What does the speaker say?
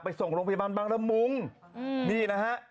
ส่งโรงพยาบาลบางละมุงนี่นะฮะ